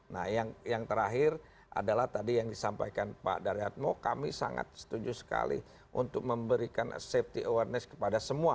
nah yang terakhir adalah tadi yang disampaikan pak daryatmo kami sangat setuju sekali untuk memberikan safety awareness kepada semua